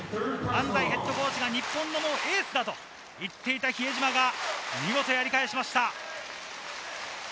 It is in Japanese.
安齋ヘッドコーチが日本のエースだと言っていた比江島が見事、やり返しました。